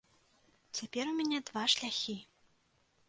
Цяпер у мяне два шляхі.